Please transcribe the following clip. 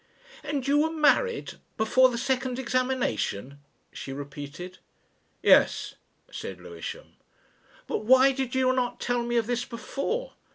"And you were married before the second examination?" she repeated. "Yes," said Lewisham. "But why did you not tell me of this before?"